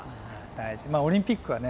オリンピックはね